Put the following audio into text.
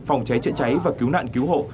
phòng cháy chữa cháy và cứu nạn cứu hộ